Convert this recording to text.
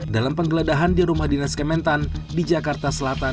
dalam penggeledahan di rumah dinas kementan di jakarta selatan